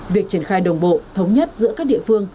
việc triển khai đồng bộ thống nhất giữa các địa phương